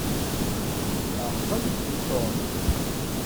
Ɛqel-d Tom.